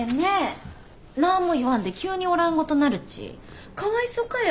なあんも言わんで急におらんごとなるちかわいそかよ。